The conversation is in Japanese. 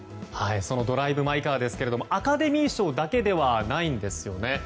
その「ドライブ・マイ・カー」アカデミー賞だけではないんですよね。